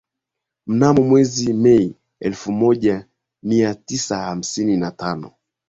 mnamo mwezi Mei elfu moja mia tisa hamsini na tano